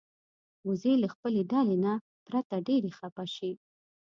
وزې له خپلې ډلې نه پرته ډېرې خپه شي